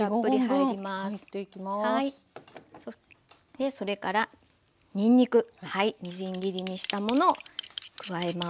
でそれからにんにくみじん切りにしたもの加えます。